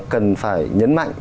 cần phải nhấn mạnh